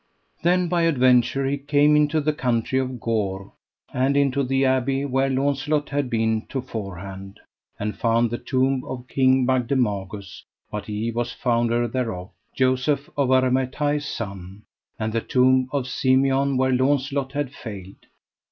Then by adventure he came into the country of Gore, and into the abbey where Launcelot had been to forehand, and found the tomb of King Bagdemagus, but he was founder thereof, Joseph of Aramathie's son; and the tomb of Simeon where Launcelot had failed.